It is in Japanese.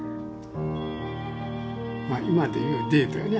まあ今で言うデートやね。